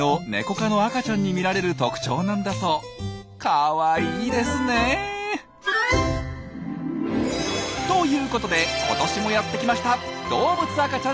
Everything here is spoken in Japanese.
かわいいですね。ということで今年もやって来ました！